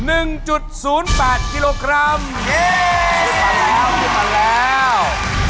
เย้ขึ้นมาแล้วขึ้นมาแล้ว